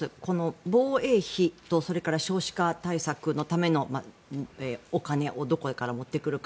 防衛費と少子化対策のためのお金をどこから持ってくるか。